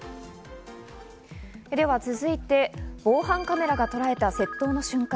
では続いて、防犯カメラがとらえた窃盗の瞬間。